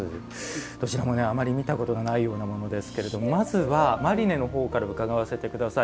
どちらもあまり見たことのないようなものなんですけれどもまずは、マリネのほうから伺わせてください。